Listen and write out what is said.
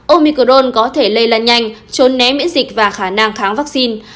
omicrone có thể lây lan nhanh trốn né miễn dịch và khả năng kháng vaccine